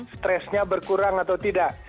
stresnya berkurang atau tidak